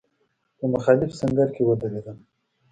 په مخالف سنګر کې ودرېدلم.